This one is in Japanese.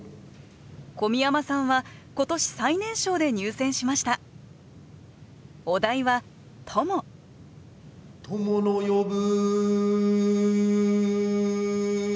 小宮山さんは今年最年少で入選しました「友の呼ぶ」。